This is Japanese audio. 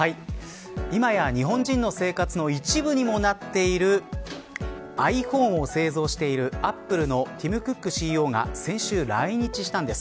今や、日本人の生活の一部にもなっているｉＰｈｏｎｅを製造しているアップルのティム・クックＣＥＯが先週来日したんです。